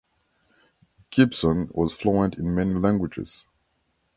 Gibson was fluent in many languages.